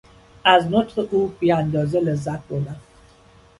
از نطق او بی اندازه لذت بردم.